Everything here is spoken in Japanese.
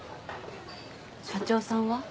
社長さんは？